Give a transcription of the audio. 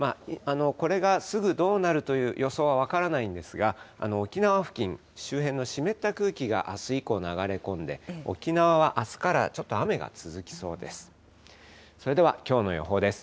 これがすぐどうなるという予想は分からないんですが、沖縄付近、周辺の湿った空気があす以降流れ込んで、沖縄はあすからちょっと雨が続きそうです。